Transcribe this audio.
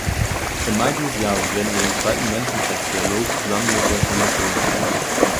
Im Mai dieses Jahres werden wir den zweiten Menschenrechtsdialog zusammen mit der Kommission haben.